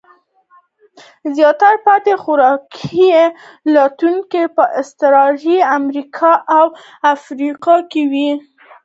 زیاتره پاتې خوراک لټونکي په استرالیا، امریکا او افریقا کې وو.